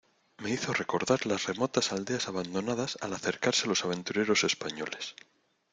me hizo recordar las remotas aldeas abandonadas al acercarse los aventureros españoles.